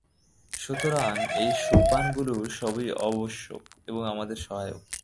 সুতরাং এই সোপানগুলি সবই আবশ্যক এবং আমাদের সহায়ক।